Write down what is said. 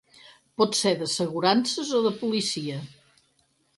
Pot ser d'assegurances o de policia.